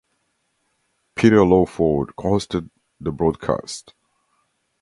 Peter Lawford hosted the broadcast.